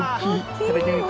食べてみて。